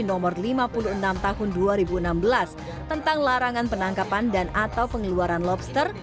nomor lima puluh enam tahun dua ribu enam belas tentang larangan penangkapan dan atau pengeluaran lobster